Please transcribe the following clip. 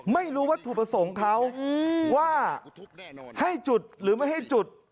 ไม่รู้วัตถุประสงค์เขาว่าให้จุดหรือไม่ให้จุด